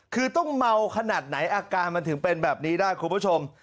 คือต้องเมาขนาดไหนอาการมันถึงเป็นแบบนี้ได้คุณผู้ชม